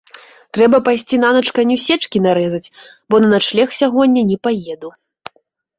Трэба пайсці нанач каню сечкі нарэзаць, бо на начлег сягоння не паеду.